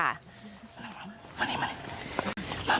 มานี่มานี่มาเนอะมาเถอะ